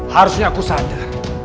harusnya aku sadar